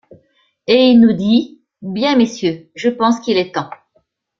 Et il nous dit, “Bien messieurs, je pense qu’il est temps.